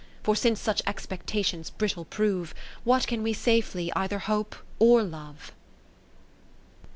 P^or since such expectations brittle prove, ^Vhat can we safely either hope or love